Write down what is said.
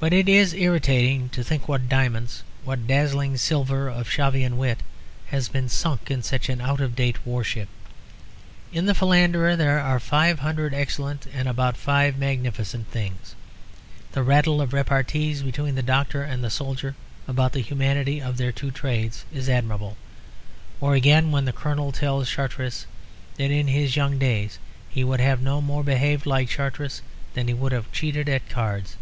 But it is irritating to think what diamonds, what dazzling silver of Shavian wit has been sunk in such an out of date warship. In The Philanderer there are five hundred excellent and about five magnificent things. The rattle of repartees between the doctor and the soldier about the humanity of their two trades is admirable. Or again, when the colonel tells Chartaris that "in his young days" he would have no more behaved like Chartaris than he would have cheated at cards.